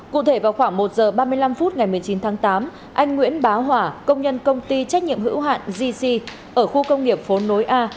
cụ thể vào khoảng một h ba mươi năm phút ngày một mươi chín tháng tám anh nguyễn bá hỏa công nhân công ty trách nhiệm hữu hạn gc ở khu công nghiệp phố nối a